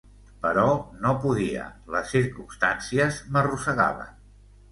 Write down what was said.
Però no podia, les circumstàncies m'arrossegaven.